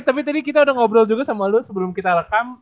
tapi tadi kita udah ngobrol juga sama lu sebelum kita rekam